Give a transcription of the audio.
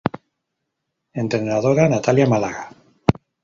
Entrenadora: Natalia Málaga